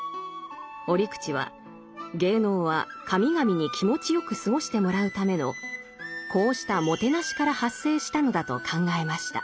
折口は芸能は神々に気持ちよく過ごしてもらうためのこうしたもてなしから発生したのだと考えました。